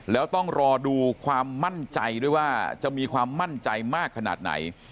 แล้วต้องรอดูความมั่นใจด้วยว่าจะมีความมั่นใจมากขนาดไหน